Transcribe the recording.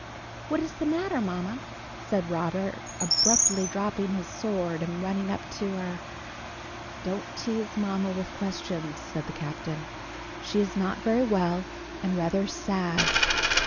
"What is the matter, mamma?" said Robert, abruptly dropping his sword and running up to her. "Don't tease mamma with questions," said the Captain; "she is not very well, and rather sad.